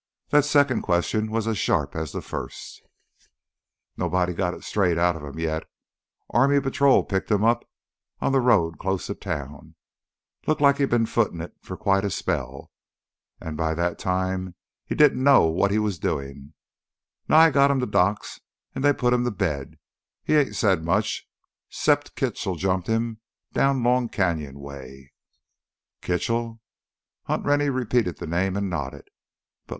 That second question was as sharp as the first. "Nobody's got it straight outta him yet. Army patrol picked him up on th' road close to town—looked like he'd been footin' it quite a spell. An' by that time he didn't know wot he was doin'. Nye got him to Doc's an' they put him to bed. He ain't said much, 'cept Kitchell jumped him down Long Canyon way——" "Kitchell!" Hunt Rennie repeated the name and nodded. "But